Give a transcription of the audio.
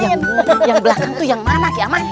ilmu yang kebelakangnya itu yang mana kiaman